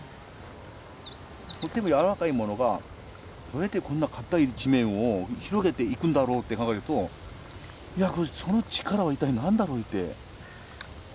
とっても柔らかいものがどうやってこんな固い地面を広げていくんだろうって考えるといやその力は一体何だろうって。